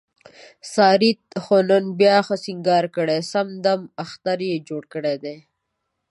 سارې خو نن بیا ښه سینګار کړی، سم دمم اختر یې جوړ کړی دی.